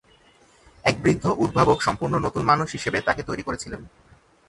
এক বৃদ্ধ উদ্ভাবক সম্পূর্ণ নতুন মানুষ হিসেবে তাকে তৈরি করেছিলেন।